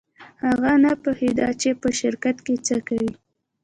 هغه نه پوهېده چې په شرکت کې څه کوي.